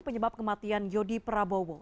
penyebab kematian yodi prabowo